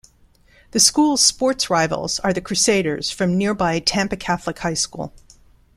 The school's sports rivals are the Crusaders from nearby Tampa Catholic High School.